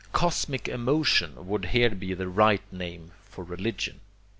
'Cosmic emotion' would here be the right name for religion.